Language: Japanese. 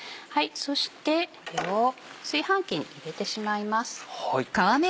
そしてこれを炊飯器に入れてしまいます。